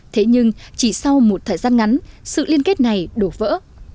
thế nhưng chỉ sau một thời gian ngắn sự liên kết này đổ vỡ